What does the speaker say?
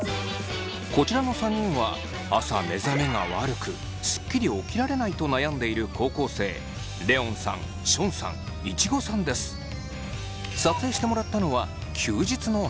こちらの３人は朝目覚めが悪くスッキリ起きられないと悩んでいる高校生撮影してもらったのは休日の朝。